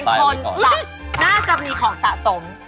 น่าจะมีของสะสม